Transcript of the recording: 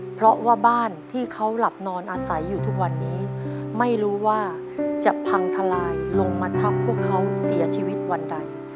เพราะว่าบ้านที่เขาหลับนอนอาศัยอยู่ทุกวันนี้ไม่รู้ว่าจะพังทลายลงมาทับพวกเขาเสียชีวิตวันใด